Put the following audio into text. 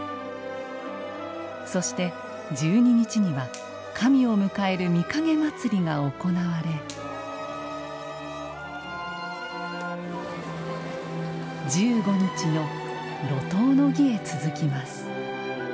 そして、１２日には神を迎える御蔭祭が行われ１５日の路頭の儀へ続きます。